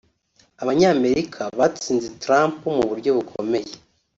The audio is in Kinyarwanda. Abanyamerika batsinze Trump mu buryo bukomeye